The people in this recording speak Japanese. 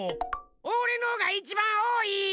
おれのがいちばんおおい！